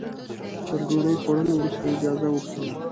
تر ډوډۍ خوړلو وروسته اجازه غوښتله.